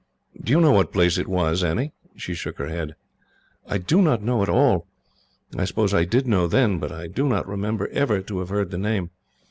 "Do you know what place it was, Annie?" She shook her head. "I do not know at all. I suppose I did know, then, but I do not remember ever to have heard the name.